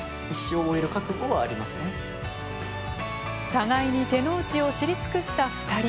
互いに手の内を知り尽くした２人。